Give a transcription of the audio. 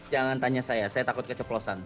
jangan tanya saya saya takut keceplosan